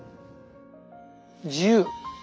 自由！